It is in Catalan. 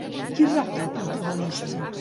Qui rapta al protagonista?